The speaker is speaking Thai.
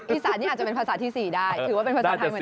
อีสานนี่อาจจะเป็นภาษาที่๔ได้ถือว่าเป็นภาษาไทยเหมือนกัน